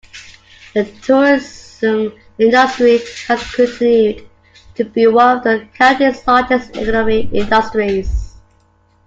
The tourism industry has continued to be one of the county's largest economic industries.